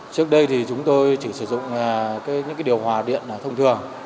trước đây thì chúng tôi chỉ sử dụng những điều hòa điện thông thường